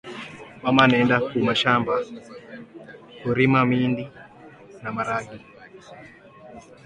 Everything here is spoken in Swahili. mama anaenda ku mashamba kurima mindi na maragi